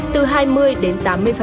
từ hai mươi đến tám mươi